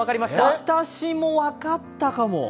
私も分かったかも。